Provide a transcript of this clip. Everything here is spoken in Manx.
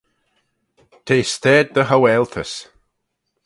T'eh stayd dy haualtys.